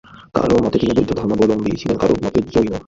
কারও মতে তিনি বৌদ্ধ ধর্মাবলম্বী ছিলেন, কারও মতে জৈন।